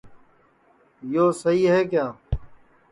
یو سئہی ہے کیا